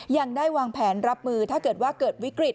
ยังได้วางแผนรับมือถ้าเกิดว่าเกิดวิกฤต